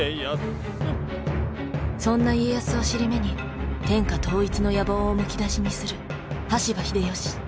そんな家康を尻目に天下統一の野望をむき出しにする羽柴秀吉。